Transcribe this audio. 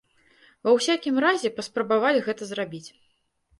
Ва ўсякім разе паспрабаваць гэта зрабіць.